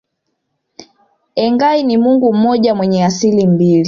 Engai ni Mungu mmoja mwenye asili mbili